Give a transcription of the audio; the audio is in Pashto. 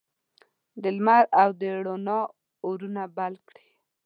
د لمر او د روڼا اورونه بل کړي